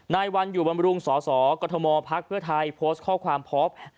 นายวันอยู่บรรมรุงสสกฎมพไทยโพสต์ข้อความพอบ